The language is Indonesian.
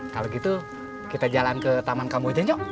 kalo gitu kita jalan ke taman kamu aja nyok